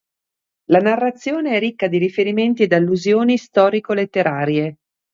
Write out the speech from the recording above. La narrazione è ricca di riferimenti ed allusioni storico-letterarie.